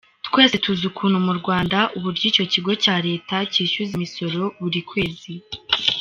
Twese tuzi ukuntu mu Rwanda uburyo icyo kigo cya Leta cyishyuza imisoro buri kwezi.